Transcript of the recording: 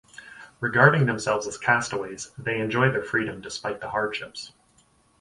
Regarding themselves as castaways, they enjoy their freedom despite the hardships.